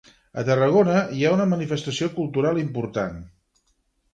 A Tarragona hi ha una manifestació cultural important.